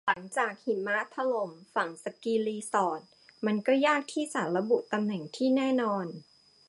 หลังจากหิมะถล่มฝังสกีรีสอร์ทมันก็ยากที่จะระบุตำแหน่งที่แน่นอน